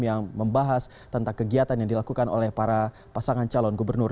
yang membahas tentang kegiatan yang dilakukan oleh para pasangan calon gubernur